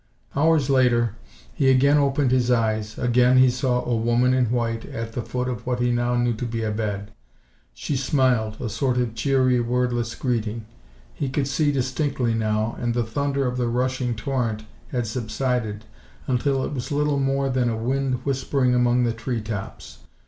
Hours later he again opened his eyes. Again he saw a woman in white at the foot of what he now knew to be a bed. She smiled, a sort of cheery, wordless greeting. He could see distinctly now, and the thunder of the rushing torrent had subsided until it was little more than a wind whispering among the tree tops.